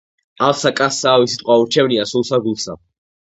ავსა კაცსა ავი სიტყვა ურჩევნია სულსა გულსა.